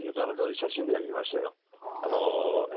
写真では見ましたよ。